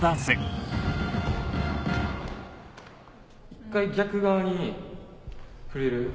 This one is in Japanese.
・１回逆側に振れる？